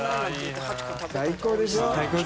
最高でしょ？